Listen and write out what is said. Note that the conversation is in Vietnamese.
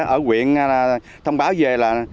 ở huyện thông báo về là